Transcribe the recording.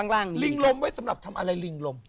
ลิงลมไว้สำหรับทำอะไรลิงลม